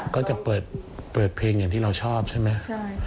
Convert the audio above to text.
ก็จะเปิดเพลงอย่างที่เราชอบใช่ไหม